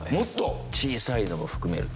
小さいのも含めると。